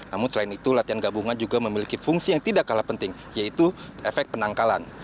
namun selain itu latihan gabungan juga memiliki fungsi yang tidak kalah penting yaitu efek penangkalan